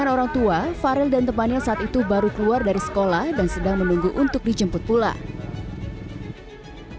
dengan orang tua farel dan temannya saat itu baru keluar dari sekolah dan sedang menunggu untuk dijemput pulang